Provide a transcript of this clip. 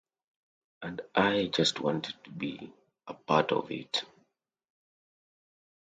And I just wanted to be a part of it.